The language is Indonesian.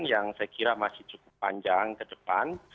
yang saya kira masih cukup panjang ke depan